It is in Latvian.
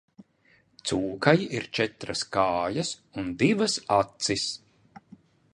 Cūkai ir četras kājas un divas acis.